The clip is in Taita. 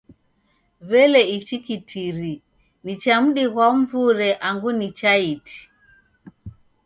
W'ele ichi kitiri ni cha mdi ghwa mvure angu ni cha iti?